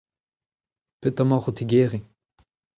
Petra emaoc'h o tigeriñ ?